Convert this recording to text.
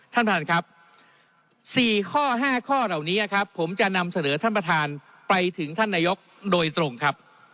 ท่านประธานครับ๔ข้อ๕ข้อเหล่านี้ครับผมจะนำเสนอท่านประธานไปถึงท่านนายกโดยตรงครับ